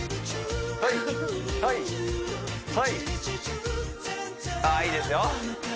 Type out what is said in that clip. はいはいはいあいいですよ